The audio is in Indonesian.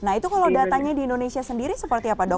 nah itu kalau datanya di indonesia sendiri seperti apa dok